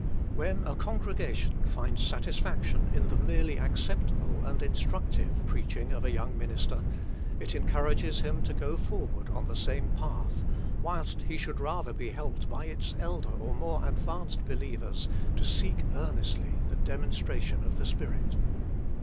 When a congregation finds satisfaction in the merely acceptable and instructive preaching of a young minister, it encourages him to go forward on the same path, whilst he should rather be helped by its elder or more advanced believers to seek earnestly the demonstration of the Spirit.